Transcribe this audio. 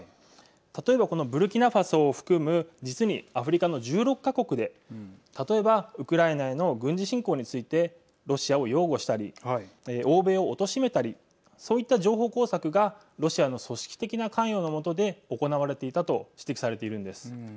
例えばこのブルキナファソを含む実にアフリカの１６か国で例えば、ウクライナへの軍事侵攻についてロシアを擁護したり欧米をおとしめたりそういった情報工作がロシアの組織的な関与の下で行われていたと指摘されているんです。